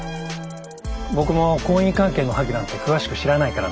僕も婚姻関係の破棄なんて詳しく知らないからね。